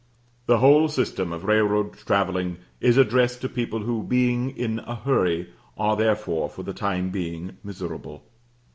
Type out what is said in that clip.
The whole system of railroad travelling is addressed to people who, being in a hurry, are therefore, for the time being, miserable.